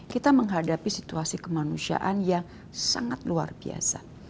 kita menghadapi situasi kemanusiaan yang sangat luar biasa